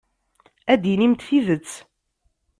Ad d-tinimt tidet.